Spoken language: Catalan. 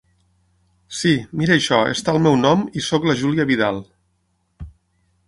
Sí, mira això està al meu nom i soc la Júlia Vidal.